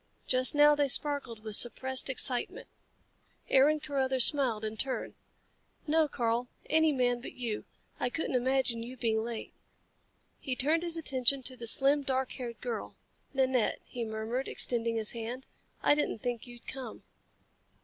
Just now they sparkled with suppressed excitement. Aaron Carruthers smiled in turn. "No, Karl. Any man but you. I couldn't imagine you being late." He turned his attention to the slim, dark haired girl. "Nanette," he murmured, extending his hand, "I didn't think you'd come."